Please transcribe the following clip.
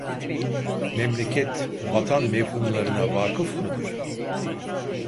Memleket, vatan mefhumlarına vâkıf mıdır?